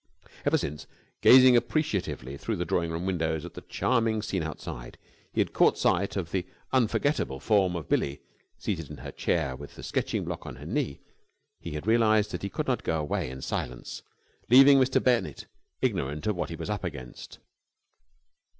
Ever since, gazing appreciatively through the drawing room windows at the charming scene outside, he had caught sight of the unforgettable form of Billie, seated in her chair with the sketching block on her knee, he had realised that he could not go away in silence, leaving Mr. Bennett ignorant of what he was up against.